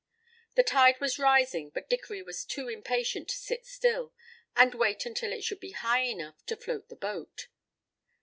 The tide was rising but Dickory was too impatient to sit still and wait until it should be high enough to float the boat.